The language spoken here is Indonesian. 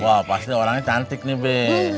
wah pasti orangnya cantik nih be